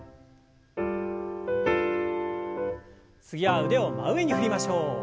次は腕を真上に振りましょう。